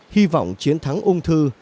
hy vọng chiến thắng ung thư